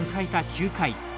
９回。